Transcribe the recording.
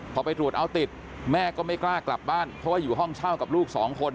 พอไปตรวจเอาติดแม่ก็ไม่กล้ากลับบ้านเพราะว่าอยู่ห้องเช่ากับลูกสองคน